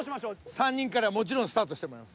３人からもちろんスタートしてもらいます。